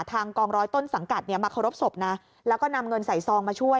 ทางกองร้อยต้นสังกัดเนี่ยมาเคารพศพนะแล้วก็นำเงินใส่ซองมาช่วย